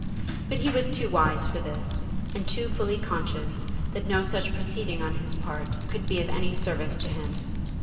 But he was too wise for this, and too fully conscious that no such proceeding on his part could be of any service to him.